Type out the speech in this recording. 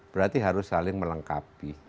berarti harus saling melengkapi